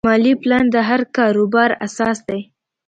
مالي پلان د هر کاروبار اساس دی.